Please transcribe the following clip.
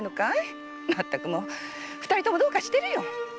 まったくもう二人ともどうかしてるよ！